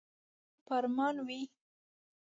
ښه د خوب په ارمان وې.